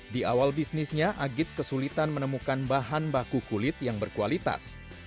di awal bisnisnya agit kesulitan menemukan bahan baku kulit yang berkualitas